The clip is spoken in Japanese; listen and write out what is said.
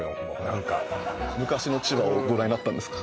何か昔の千葉をご覧になったんですか